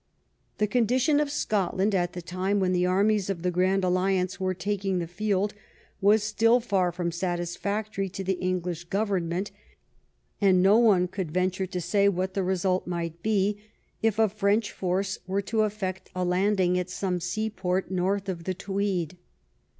The condition of Scotland at the time when the armies of the Grand Alliance were taking the field was still far from satisfactory to the English gov ernment, and no one could venture to say what the result might be if a French force were to effect a land ing at some seaport north of the Tweed.